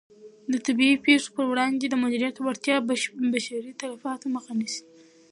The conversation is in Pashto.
د طبیعي پېښو په وړاندې د مدیریت وړتیا د بشري تلفاتو مخه نیسي.